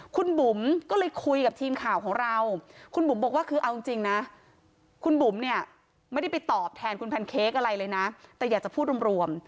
คุณบุ๋มก็เลยคุยกับทีมข่าวของเราคุณบุ๋มบอกว่าคือเอาจริงนะคุณบุ๋มเนี่ยไม่ได้ไปตอบแทนคุณแพนเค้กอะไรเลยนะแต่อยากจะพูดรวม